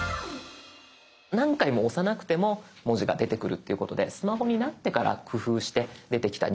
何回も押さなくても文字が出てくるっていうことでスマホになってから工夫して出てきた入力方式です。